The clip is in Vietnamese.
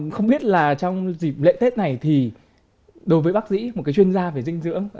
không biết là trong dịp lễ tết này thì đối với bác sĩ một cái chuyên gia về dinh dưỡng